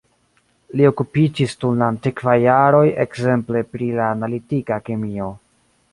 Li okupiĝis dum la aktivaj jaroj ekzemple pri la analitika kemio.